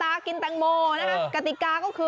มีหลากหลายการแข่งขันคุณผู้ชมอย่างที่บอกอันนี้ปาเป้าเห็นมั้ยก็ม